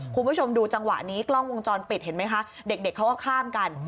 คุณผู้ชมดูจังหวะนี้กล้องวงจรปิดเห็นไหมคะเด็กเขาก็ข้ามกัน